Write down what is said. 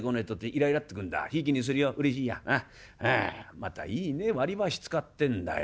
またいいね割り箸使ってんだよ。